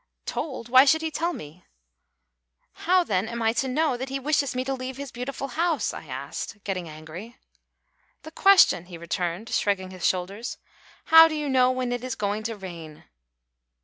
"Told? Why should he tell me?" "How, then, am I to know that he wishes me to leave his beautiful house?" I asked, getting angry. "The question!" he returned, shrugging his shoulders. "How do you know when it is going to rain?"